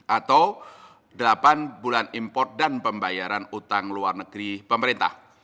atau delapan bulan import dan pembayaran utang luar negeri pemerintah